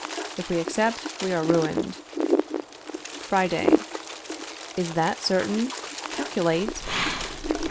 _ If we accept we are ruined. Friday. Is that certain? Calculate!